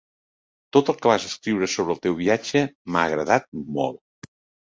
Tot el que vas escriure sobre el teu viatge m'ha agradat molt.